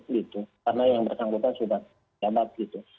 karena yang bertanggung jawab sudah di jabat